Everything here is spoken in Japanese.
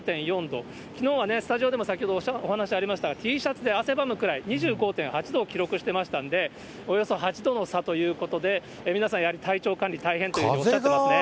きのうはね、スタジオでも先ほどお話ありました、Ｔシャツで汗ばむくらい、２５．８度を記録してましたんで、およそ８度の差ということで、皆さんやはり体調管理大変とおっしゃってますね。